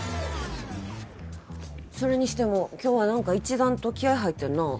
それにしても今日は何か一段と気合い入ってるな。